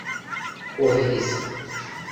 kohereza